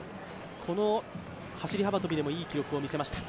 この走幅跳でもいい記録を見せました。